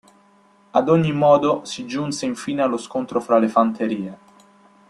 Ad ogni modo, si giunse infine allo scontro fra le fanterie.